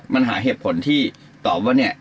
มันหาเหตุผลที่ตอบว่าเนี่ย